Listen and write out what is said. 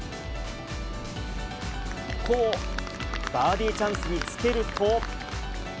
ここをバーディーチャンスにつけると。